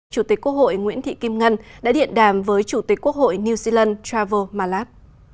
chủ tịch quốc hội nguyễn thị kim ngân đã điện đàm với chủ tịch quốc hội new zealand travel malat